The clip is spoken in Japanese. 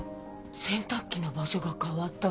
洗濯機の場所が変わったの。